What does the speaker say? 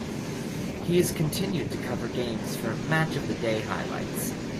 He has continued to cover games for "Match of the Day" highlights.